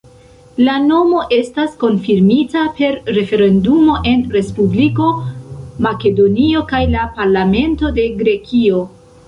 La nomo estas konfirmita per referendumo en Respubliko Makedonio kaj la parlamento de Grekio.